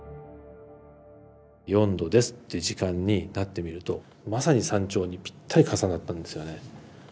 「４°です」っていう時間になってみるとまさに山頂にぴったり重なったんですよね。